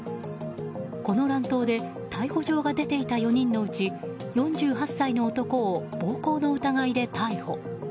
この乱闘で逮捕状が出ていた４人のうち４８歳の男を暴行の疑いで逮捕。